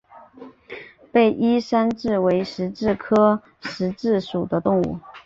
被衣山蛭为石蛭科石蛭属的动物。